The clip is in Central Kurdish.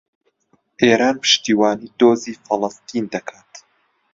ئێران پشتیوانیی دۆزی فەڵەستین دەکات.